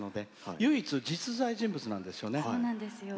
唯一、実在の人物なんですね。